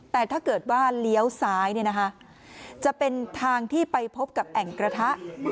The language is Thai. แต่ถ้าเกิดว่าเลี้ยวซ้ายจะเป็นทางที่ไปพบกับแอ่งกระทะ